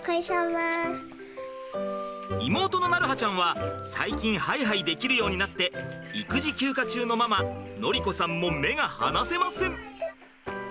妹の鳴映ちゃんは最近ハイハイできるようになって育児休暇中のママ典子さんも目が離せません。